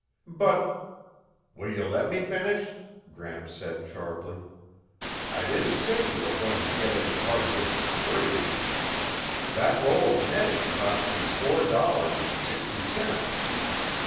"But ..." "Will you let me finish?" Gramps said sharply. "I didn't say you were going to get any part of it for free. That roll of netting cost me four dollars and sixty cents.